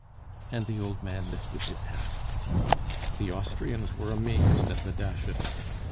and the old man lifted his hat. "The Austrians were amazed at the dash of it.